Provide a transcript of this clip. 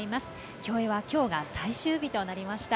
競泳はきょうが最終日となりました。